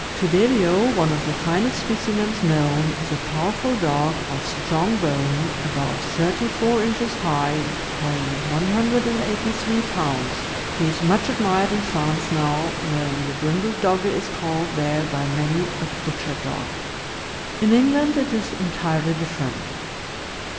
Fidelio, one of the finest specimens known, is a powerful dog, of strong bone, about thirty four inches high, weighing 183 pounds. He is much admired in France now, though the brindled Dogge is called there, by many, a butcher dog. In England it is entirely different.